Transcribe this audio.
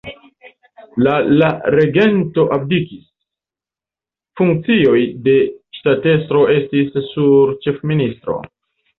La la regento abdikis, funkcioj de ŝtatestro estis sur ĉefministro.